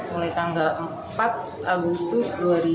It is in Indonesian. mulai tanggal empat agustus dua ribu dua puluh